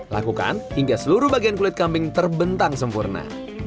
lakukan hingga seluruh bagian kulit kambing terbentang sempurna